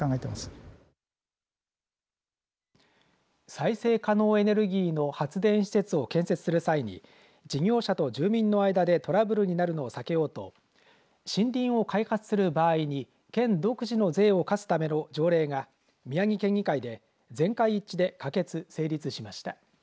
再生可能エネルギーの発電施設を建設する際に事業者と住民の間でトラブルになるのを避けようと森林を開発する場合に県独自の税を課すための条例が宮城県議会で全会一致で可決成立しました。